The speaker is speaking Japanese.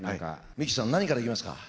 ミッキーさん何からいきますか？